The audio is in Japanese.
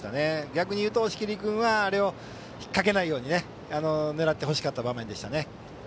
逆に言うと、押切君はあれを引っ掛けないように狙ってほしかった場面です。